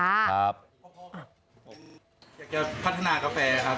ผมอยากจะพัฒนากาแฟครับ